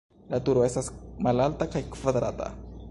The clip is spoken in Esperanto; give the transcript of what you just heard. La turo estas malalta kaj kvadrata.